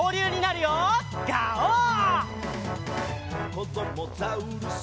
「こどもザウルス